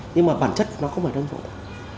nhưng mà bản chất nó không phải đông trùng hạ thảo